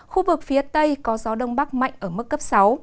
khu vực phía tây có gió đông bắc mạnh ở mức cấp sáu